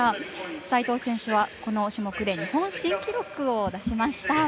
齋藤選手はこの種目で日本新記録を出しました。